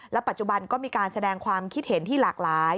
ปัจจุบันก็มีการแสดงความคิดเห็นที่หลากหลาย